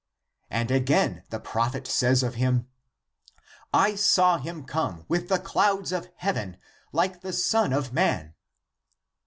And again the prophet says of him :' I saw him come wath the clouds of heaven like the Son of man.'